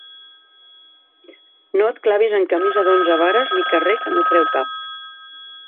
No et clavis en camisa d'onze vares ni carrer que no treu cap.